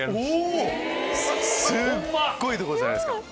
すっごいとこじゃないですか！